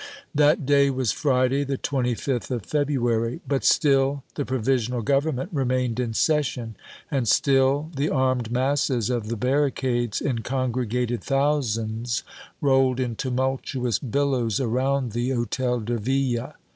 That day was Friday, the 25th of February. But still the Provisional Government remained in session, and still the armed masses of the barricades, in congregated thousands, rolled in tumultuous billows around the Hôtel de Ville.